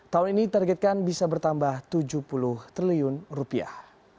tahun ini targetkan bisa bertambah tujuh puluh triliun rupiah